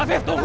ah viv tunggu